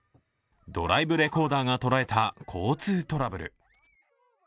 ドライブレコーダーが捉えた交通トラブル。